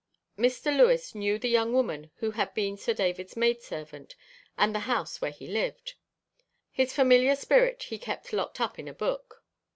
Mr. Lewis knew the young woman who had been Sir David's maid servant, and the house where he lived.' His familiar spirit he kept locked up in a book.